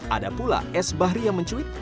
ada pula s bahri yang mencuit